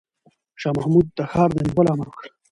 شاه محمود د ښار د نیولو امر وکړ.